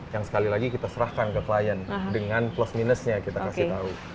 yang sekali lagi kita serahkan ke klien dengan plus minusnya kita kasih tahu